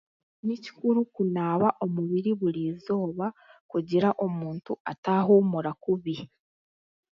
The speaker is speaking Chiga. Nikikuru kunaaba omubiri buri eizooba kugira omuntu ataahuumura kubi